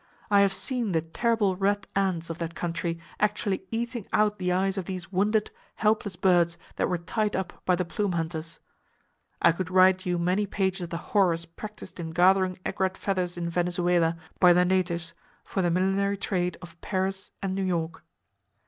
I have seen the terrible red ants of that country actually eating out the eyes of these wounded, helpless birds that were tied up by the plume hunters. I could write you many pages of the horrors practiced in gathering aigrette feathers in Venezuela by the natives for the millinery trade of Paris and New York.